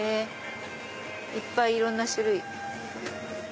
いっぱいいろんな種類。